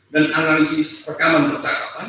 dan analisis rekaman percakapan